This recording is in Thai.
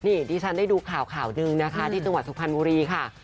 นี่ที่ฉันได้ดูข่าวหนึ่งนะคะที่ตังหวัดสุขภัณฑ์มุรีค่ะ